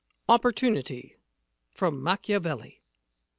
OPPORTUNITY (from Machiavelli.)